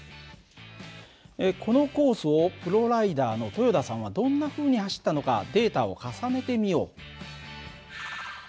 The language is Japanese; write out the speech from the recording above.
このコースをプロライダーの豊田さんはどんなふうに走ったのかデータを重ねてみよう。